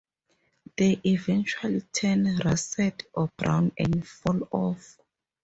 They eventually turn russet or brown and fall off.